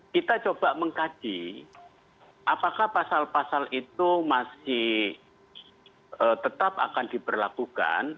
kita coba mengkaji apakah pasal pasal itu masih tetap akan diberlakukan